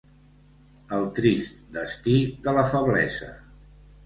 El trist destí de la feblesa.